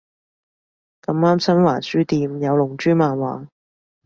咁啱新華書店有龍珠漫畫